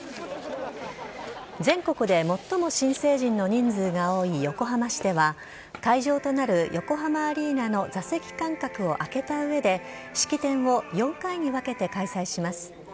全国で最も新成人の人数が多い横浜市では、会場となる横浜アリーナの座席間隔を空けたうえで、式典を４回に分けて開催します。